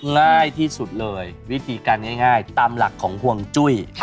ง่ายที่สุดเลยวิธีการง่ายตามหลักของห่วงจุ้ย